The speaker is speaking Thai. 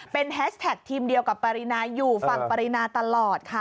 เป็นแฮชแท็กทีมเดียวกับปรินาอยู่ฝั่งปรินาตลอดค่ะ